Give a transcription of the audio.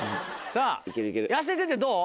さぁ痩せててどう？